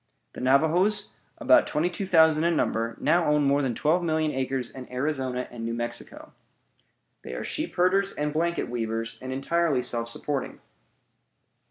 The Navajoes, about twenty two thousand in number, now own more than twelve million acres in Arizona and New Mexico. They are sheep herders and blanket weavers, and are entirely self supporting.